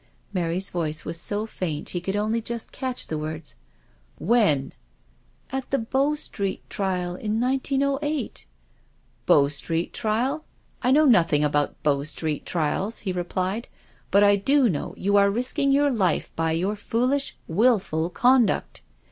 *' Mary's voice was so faint he could only just catch the words. ••When?'* ••At the Bow Street trial in 1908." •• Bow Street trial? I know nothing about Bow Street trials," he replied, '• but I do know you are risking your life by your foolish, wilful conduct."